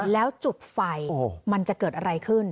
แล้วจุดไฟมันจะเกิดอะไรขึ้น